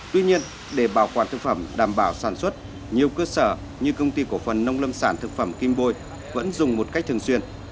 tuy nhiên để bảo quản thực phẩm đảm bảo sản xuất nhiều cơ sở như công ty cổ phần nông lâm sản thực phẩm kim bôi vẫn dùng một cách thường xuyên